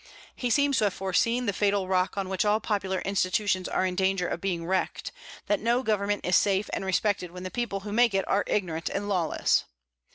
He seems to have foreseen the fatal rock on which all popular institutions are in danger of being wrecked, that no government is safe and respected when the people who make it are ignorant and lawless.